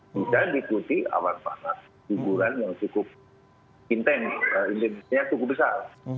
bisa diikuti awan panas guguran yang cukup intens intensitasnya cukup besar